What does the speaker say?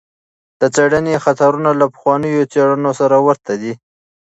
د څېړنې خطرونه له پخوانیو څېړنو سره ورته دي.